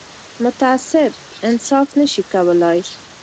متعصب انصاف نه شي کولای